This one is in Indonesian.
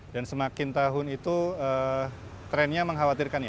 dan semakin tahun itu trennya mengkhawatirkan